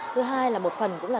thứ hai là một phần cũng là